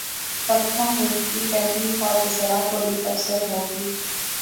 پرتھا ملک کی پہلی خواجہ سرا پولیس افسر ہو گی